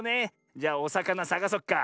じゃおさかなさがそっか。